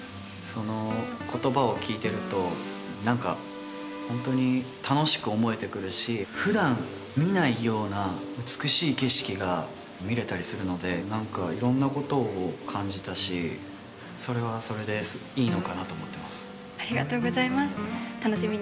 その言葉を聞いてるとなんかホントに楽しく思えてくるし普段見ないような美しい景色が見れたりするのでいろんなことを感じたしそれはそれでいいのかなと思ってます